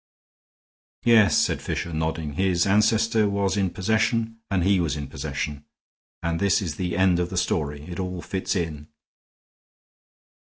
"Yes," said Fisher, nodding, "his ancestor was in possession and he was in possession, and this is the end of the story. It all fits in."